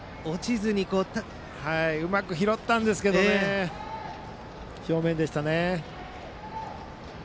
うまく拾ったんですけど正面でしたね。